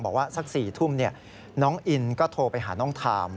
บอกว่าสัก๔ทุ่มน้องอินก็โทรไปหาน้องทาม